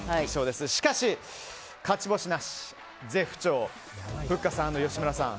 しかし、勝ち星なし絶不調ふっかさん＆吉村さん。